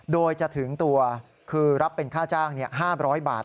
โดยจะถึงตัวคือรับเป็นค่าจ้าง๕๐๐บาท